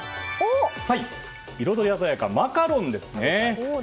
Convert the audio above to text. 彩り鮮やか、マカロンです。